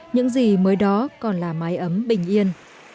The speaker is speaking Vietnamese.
những gì mới đó còn là mái ấm bình yên